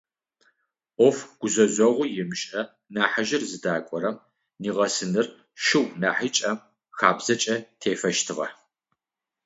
Ӏоф гузэжъогъу имыӏэмэ нахьыжъыр зыдакӏорэм нигъэсыныр шыу нахьыкӏэм хабзэкӏэ тефэщтыгъэ.